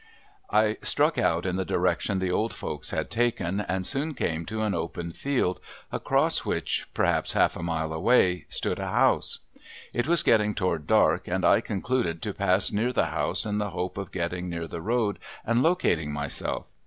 I struck out in the direction the old folks had taken and soon came to an open field, across which, perhaps half a mile away, stood a house. It was getting toward dark and I concluded to pass near the house in the hope of getting near the road and locating myself.